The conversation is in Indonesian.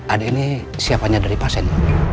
adik ini siapanya dari pasien